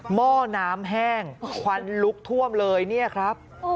หม้อน้ำแห้งควันลุกท่วมเลยเนี่ยครับ